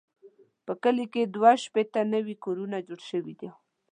په کلي کې دوه شپېته نوي کورونه جوړ شوي دي.